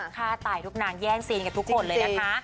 ฆ่าตายทุกนางแย่งซีนกันทุกคนเลยนะคะ